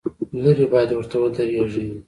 لرې باید ورته ودرېږې.